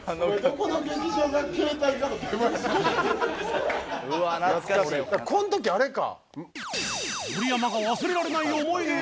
この時あれか。